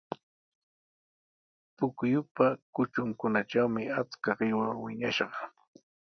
Pukyupa kutrunkunatrawmi achka qiwa wiñashqa.